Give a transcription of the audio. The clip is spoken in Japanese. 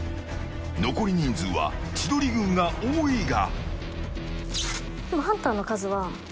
残り人数は千鳥軍が多いが。